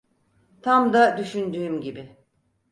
Tam da düşündüğüm gibi.